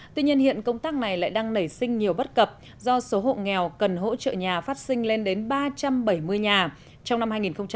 tuy nhiên hiện công tác này lại đang nảy sinh nhiều bất cập do số hộ nghèo cần hỗ trợ nhà phát sinh lên đến ba trăm bảy mươi nhà trong năm hai nghìn một mươi tám